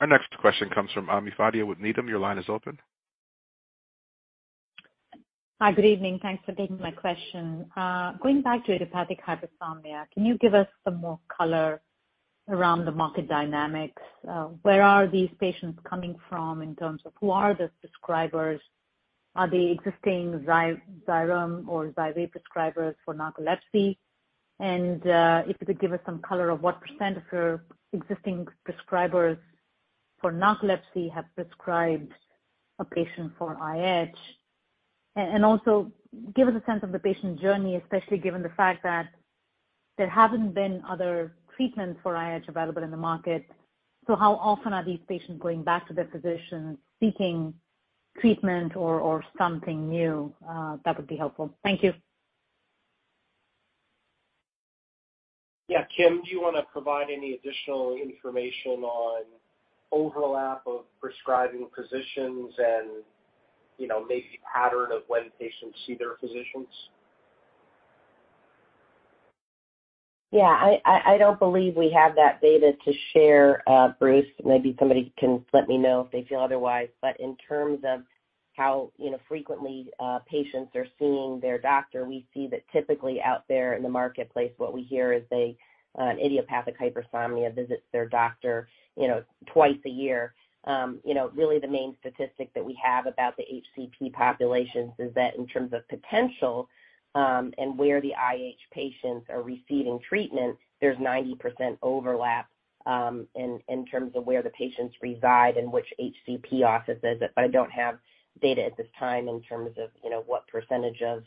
Our next question comes from Ami Fadia with Needham. Your line is open. Hi. Good evening. Thanks for taking my question. Going back to idiopathic hypersomnia, can you give us some more color around the market dynamics? Where are these patients coming from in terms of who are the prescribers? Are they existing Xyrem or Xywav prescribers for narcolepsy? And, if you could give us some color on what percent of your existing prescribers for narcolepsy have prescribed a patient for IH. And also give us a sense of the patient journey, especially given the fact that there haven't been other treatments for IH available in the market. How often are these patients going back to their physician seeking treatment or something new? That would be helpful. Thank you. Yeah. Kim, do you wanna provide any additional information on overlap of prescribing physicians and, you know, maybe pattern of when patients see their physicians? Yeah. I don't believe we have that data to share, Bruce. Maybe somebody can let me know if they feel otherwise. In terms of how, you know, frequently patients are seeing their doctor, we see that typically out there in the marketplace, what we hear is an idiopathic hypersomnia visits their doctor, you know, twice a year. You know, really the main statistic that we have about the HCP populations is that in terms of potential and where the IH patients are receiving treatment, there's 90% overlap in terms of where the patients reside and which HCP offices. I don't have data at this time in terms of, you know, what percentage of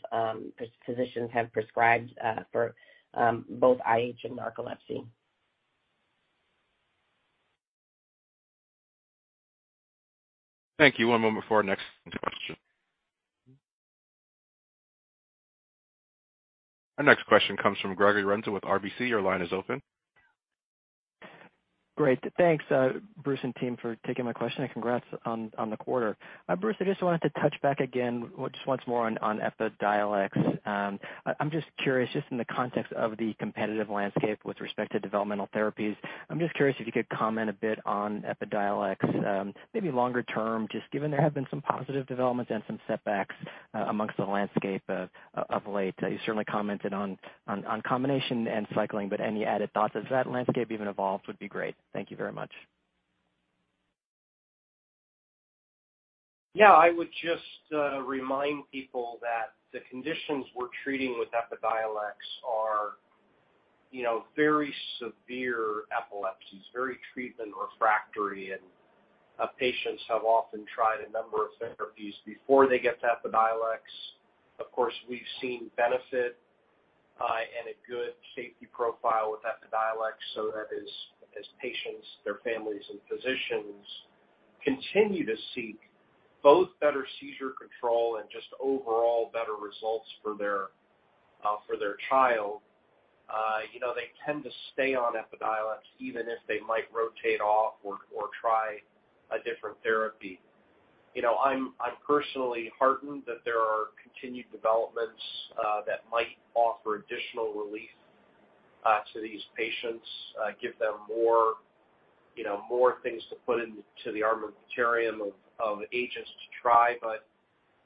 physicians have prescribed for both IH and narcolepsy. Thank you. One moment before our next question. Our next question comes from Gregory Renza with RBC. Your line is open. Great. Thanks, Bruce and team for taking my question, and congrats on the quarter. Bruce, I just wanted to touch back again just once more on Epidiolex. I'm just curious, just in the context of the competitive landscape with respect to developmental therapies. I'm just curious if you could comment a bit on Epidiolex, maybe longer term, just given there have been some positive developments and some setbacks amongst the landscape of late. You certainly commented on combination and cycling, but any added thoughts as that landscape even evolves would be great. Thank you very much. Yeah. I would just remind people that the conditions we're treating with Epidiolex are, you know, very severe epilepsies, very treatment refractory, and patients have often tried a number of therapies before they get to Epidiolex. Of course, we've seen benefit and a good safety profile with Epidiolex so that as patients, their families and physicians continue to seek both better seizure control and just overall better results for their child. You know, they tend to stay on Epidiolex even if they might rotate off or try a different therapy. You know, I'm personally heartened that there are continued developments that might offer additional relief to these patients, give them more, you know, more things to put into the armamentarium of agents to try.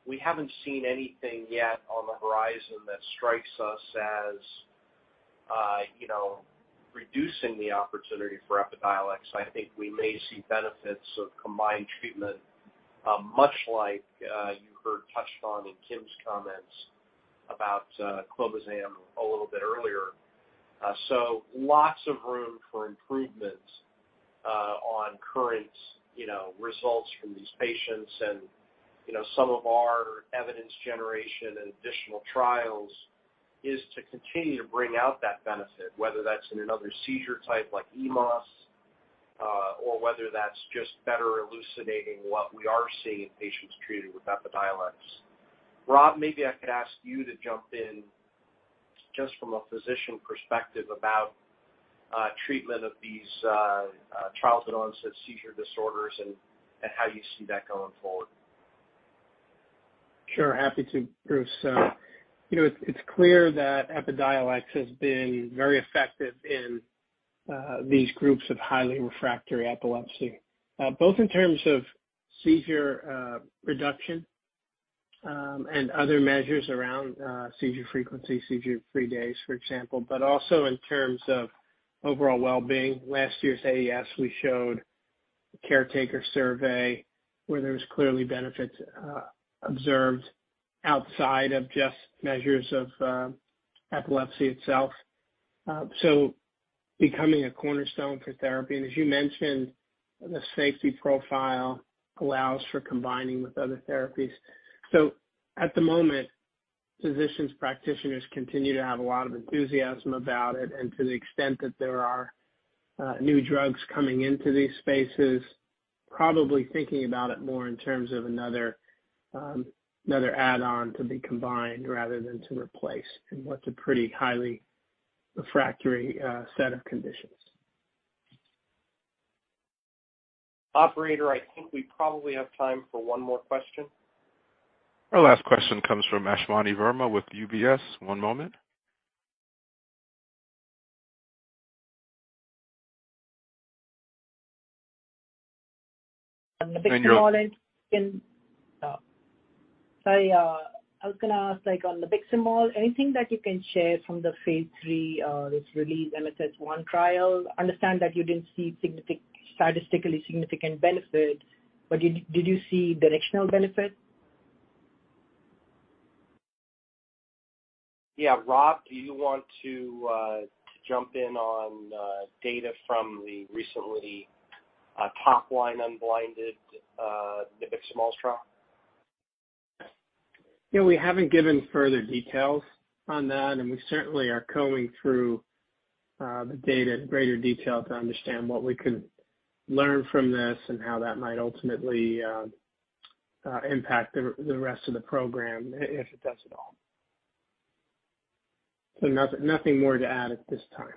We haven't seen anything yet on the horizon that strikes us as, you know, reducing the opportunity for Epidiolex. I think we may see benefits of combined treatment, much like, you heard touched on in Kim's comments about, clobazam a little bit earlier. Lots of room for improvements, on current, you know, results from these patients. You know, some of our evidence generation and additional trials is to continue to bring out that benefit, whether that's in another seizure type like EMAS, or whether that's just better elucidating what we are seeing in patients treated with Epidiolex. Rob, maybe I could ask you to jump in just from a physician perspective about treatment of these childhood-onset seizure disorders and how you see that going forward. Sure. Happy to, Bruce. You know, it's clear that Epidiolex has been very effective in these groups of highly refractory epilepsy. Both in terms of seizure reduction and other measures around seizure frequency, seizure-free days, for example, but also in terms of overall well-being. Last year's AES, we showed a caretaker survey where there was clearly benefits observed outside of just measures of epilepsy itself. Becoming a cornerstone for therapy. As you mentioned, the safety profile allows for combining with other therapies. At the moment, physicians, practitioners continue to have a lot of enthusiasm about it. To the extent that there are new drugs coming into these spaces, probably thinking about it more in terms of another add-on to be combined rather than to replace in what's a pretty highly refractory set of conditions. Operator, I think we probably have time for one more question. Our last question comes from Ashwani Verma with UBS. One moment. I was gonna ask, like, on the nabiximols, anything that you can share from the phase III RELEASE MSS1 trial? Understand that you didn't see statistically significant benefit, but did you see directional benefit? Yeah. Rob, do you want to jump in on data from the recent top-line unblinded the big small trial? Yeah, we haven't given further details on that, and we certainly are combing through the data in greater detail to understand what we could learn from this and how that might ultimately impact the rest of the program if it does at all. Nothing more to add at this time.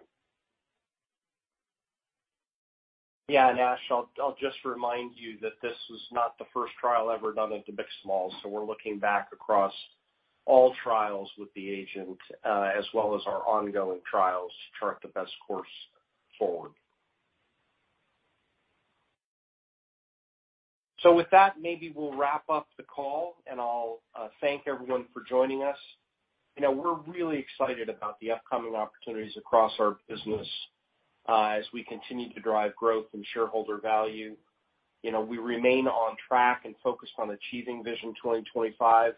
Yeah. Ash, I'll just remind you that this was not the first trial ever done in nabiximols. We're looking back across all trials with the agent, as well as our ongoing trials to chart the best course forward. With that, maybe we'll wrap up the call, and I'll thank everyone for joining us. You know, we're really excited about the upcoming opportunities across our business, as we continue to drive growth and shareholder value. You know, we remain on track and focused on achieving Vision 2025.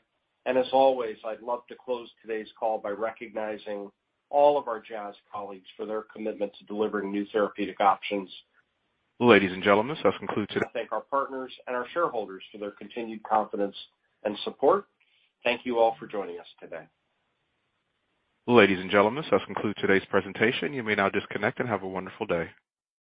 As always, I'd love to close today's call by recognizing all of our Jazz colleagues for their commitment to delivering new therapeutic options. Ladies and gentlemen, this will conclude today. Thank our partners and our shareholders for their continued confidence and support. Thank you all for joining us today. Ladies and gentlemen, this will conclude today's presentation. You may now disconnect and have a wonderful day.